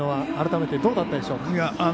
改めてどうだったでしょうか。